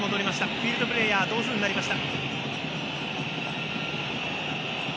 フィールドプレーヤー同数になりました。